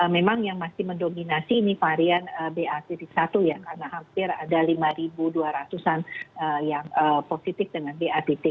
memang yang masih mendominasi ini varian ba satu ya karena hampir ada lima dua ratus an yang positif dengan bapt